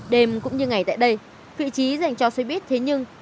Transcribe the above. đêm cũng như ngày tại đây vị trí dành cho xe buýt thế nhưng